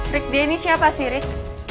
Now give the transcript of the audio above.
rick dia ini siapa sih rick